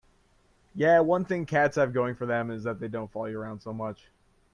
Yeah, one thing cats have going for them is that they don't follow you around so much.